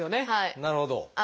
なるほど。